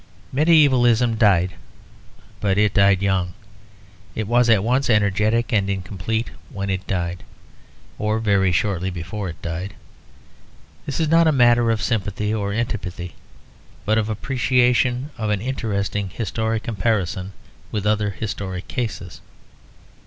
Medievalism died, but it died young. It was at once energetic and incomplete when it died, or very shortly before it died. This is not a matter of sympathy or antipathy, but of appreciation of an interesting historic comparison with other historic cases.